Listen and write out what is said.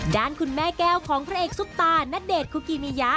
ด้านคุณแม่แก้วของพระเอกซุปตาณเดชนคุกิมิยะ